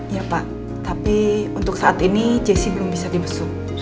ya pak tapi untuk saat ini jessi belum bisa dibesuk